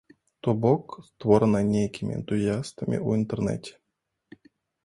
То бок, створаная нейкімі энтузіястамі ў інтэрнэце.